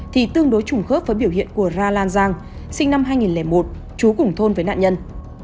thì tương đối trùng khớp với biểu hiện của ra lan giang sinh năm hai nghìn một trú cùng thôn với nạn nhân